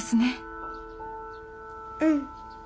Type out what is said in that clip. うん。